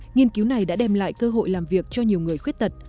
nghiên cứu này đã đem lại cơ hội làm việc cho nhiều người khuyết tật